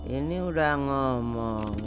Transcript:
ini udah ngomong